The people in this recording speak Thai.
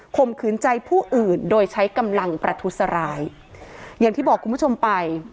มขืนใจผู้อื่นโดยใช้กำลังประทุษร้ายอย่างที่บอกคุณผู้ชมไป